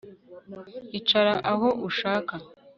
Icara aho ushaka